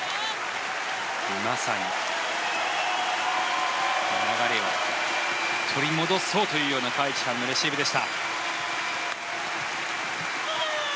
まさに流れを取り戻そうというようなカ・イチハンのレシーブでした。